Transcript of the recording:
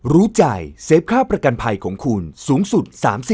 รู้ใจเซฟค่าประกันภัยของคุณสูงสุด๓๐